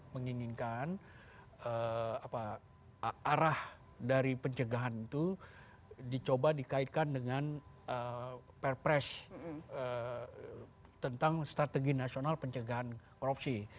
menginginkan arah dari pencegahan itu dicoba dikaitkan dengan perpres tentang strategi nasional pencegahan korupsi